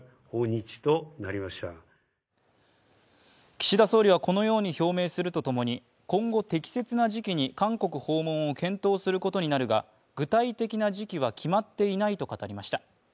岸田総理はこのように表明するとともに、今後、適切な時期に韓国訪問を検討することになるが具体的な時期は決まっていないと語りました。